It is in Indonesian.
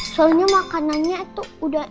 soalnya makanannya tuh udah